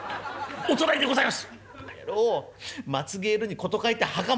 お隣でございます！」。